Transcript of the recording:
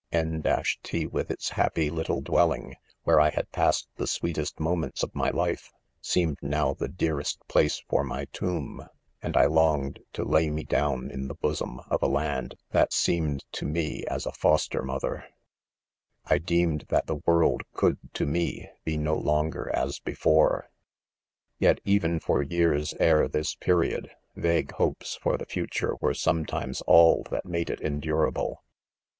N — t, with ■' it's happy Kt tle dwelling, where I had passed the sweetest moments of my life, seemed now J the dearest place for my tomb, and I longed to lay me down in the bosom of a land that seemed to me as a foster mother. THE CONFESSIONS. 133 I deemed that the world could, to me, be n© longer '" as before 5 yet even for years ere this p.eriod, vague hopes for the future "were some times all that made it endurable.